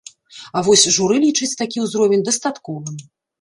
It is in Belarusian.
А вось журы лічыць такі ўзровень дастатковым.